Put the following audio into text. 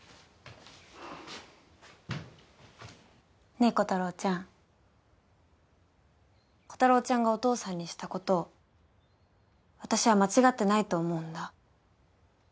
ねえコタローちゃんコタローちゃんがお父さんにした事私は間違ってないと思うんだ。